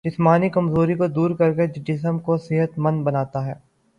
جسمانی کمزوری کو دور کرکے جسم کو صحت مند بناتا ہے